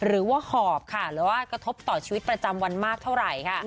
หอบค่ะหรือว่ากระทบต่อชีวิตประจำวันมากเท่าไหร่ค่ะ